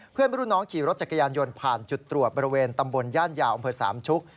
เพื่อนรุ่นน้องขี่รถจักรยานยนต์ผ่านจุดตรวจบริเวณตำบลย่านยาวอำเภอสามชุก